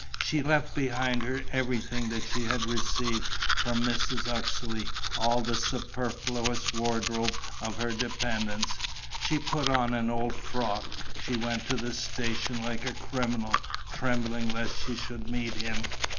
She left behind her everything that she had received from Mrs. Uxeley, all the superfluous wardrobe of her dependence. She put on an old frock. She went to the station like a criminal, trembling lest she should meet him.